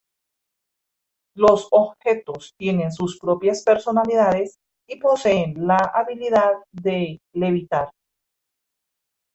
Los objetos tienen sus propias personalidades y poseen la habilidad de levitar.